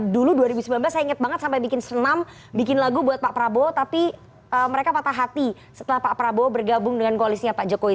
dulu dua ribu sembilan belas saya ingat banget sampai bikin senam bikin lagu buat pak prabowo tapi mereka patah hati setelah pak prabowo bergabung dengan koalisnya pak jokowi